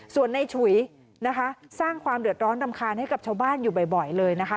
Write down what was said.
ส่วนในฉุยนะคะสร้างความเดือดร้อนรำคาญให้กับชาวบ้านอยู่บ่อยเลยนะคะ